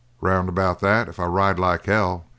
"Round about that, if I ride like hell.